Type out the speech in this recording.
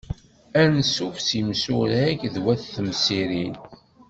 Ansuf s yimsurag d wat temsirin.